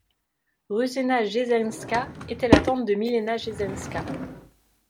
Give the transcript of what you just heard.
Růžena Jesenská était la tante de Milena Jesenská.